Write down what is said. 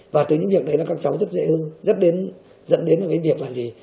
và từ những việc đấy là các cháu rất dễ hư rất dẫn đến cái việc là gì